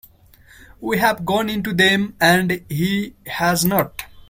We have gone into them, and he has not.